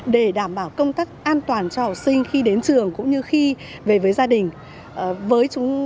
để đảm bảo công tác an toàn cho học sinh khi đến trường cũng như khi về với gia đình